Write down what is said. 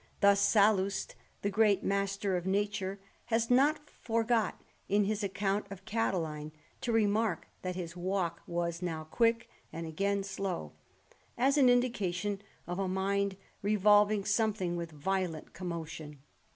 Thus Sallust, the great master of nature, has not forgot, in his account of Catiline, to remark that his walk was now quick^ and again slow^ as an indication of a mind revolving something with violent commotion.